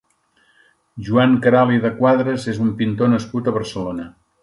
Joan Queralt i de Quadras és un pintor nascut a Barcelona.